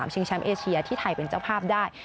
ชิงแชมป์เอเชียที่ไทยเป็นเจ้าภาพได้